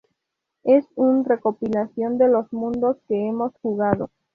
Es un recopilación de los mundos que hemos jugado.